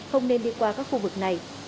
không nên đi qua các khu vực này